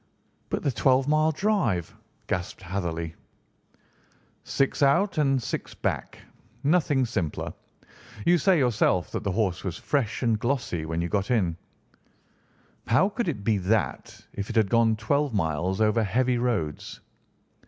"But the twelve mile drive?" gasped Hatherley. "Six out and six back. Nothing simpler. You say yourself that the horse was fresh and glossy when you got in. How could it be that if it had gone twelve miles over heavy roads?"